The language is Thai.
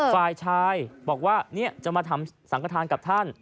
ฝ่ายชายบอกว่าจะมาทำสังขทานกับท่าน